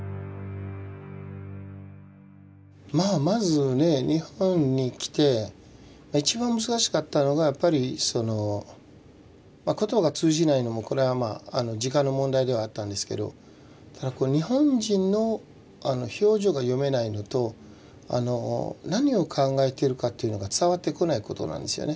まあまずね日本に来て一番難しかったのがやっぱりその言葉が通じないのもこれはまあ時間の問題ではあったんですけど日本人の表情が読めないのと何を考えてるかっていうのが伝わってこないことなんですよね。